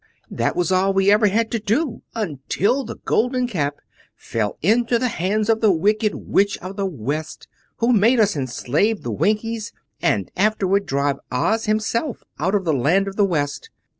"This was all we ever had to do until the Golden Cap fell into the hands of the Wicked Witch of the West, who made us enslave the Winkies, and afterward drive Oz himself out of the Land of the West.